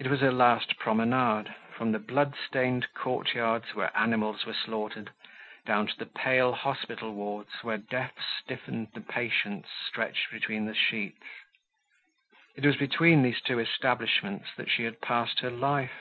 It was her last promenade—from the blood stained courtyards, where animals were slaughtered, down to the pale hospital wards, where death stiffened the patients stretched between the sheets. It was between these two establishments that she had passed her life.